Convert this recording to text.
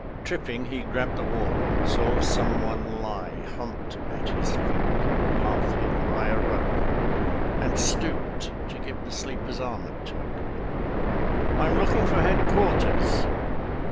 Tripping, he grabbed the wall; saw some one lie Humped at his feet, half hidden by a rug, And stooped to give the sleeper's arm a tug. "I'm looking for headquarters."